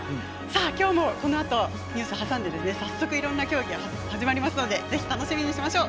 きょうもこのあとニュース挟んでさっそくいろんな競技始まりますのでぜひ楽しみにしましょう。